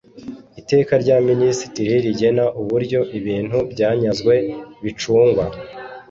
iteka rya minisitiri rigena uburyo ibintu byanyazwe bicungwa